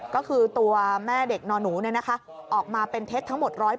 ก็คือตัวแม่เด็กนอนหนูออกมาเป็นเท็จทั้งหมด๑๐๐